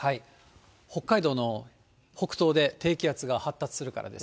北海道の北東で、低気圧が発達するからですね。